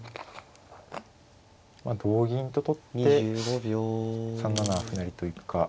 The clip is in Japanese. まあ同銀と取って３七歩成と行くか。